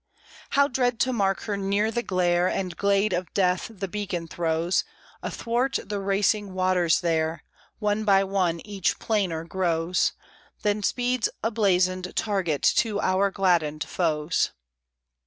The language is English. How dread to mark her near the glare And glade of death the beacon throws Athwart the racing waters there; One by one each plainer grows, Then speeds a blazoned target to our gladdened foes.